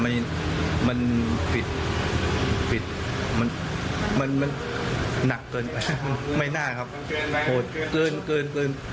มันหนักเกินไปไม่น่าครับโหดเกิน